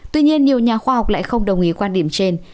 tuy nhiên nhiều nhà khoa học lại không đồng ý quan điểm trên